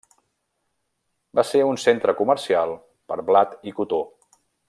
Va ser un centre comercial per blat i cotó.